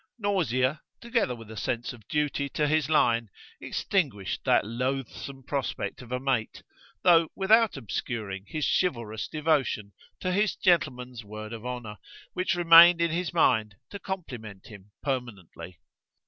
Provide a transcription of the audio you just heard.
Nausea, together with a sense of duty to his line, extinguished that loathsome prospect of a mate, though without obscuring his chivalrous devotion to his gentleman's word of honour, which remained in his mind to compliment him permanently.